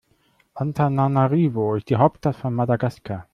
Antananarivo ist die Hauptstadt von Madagaskar.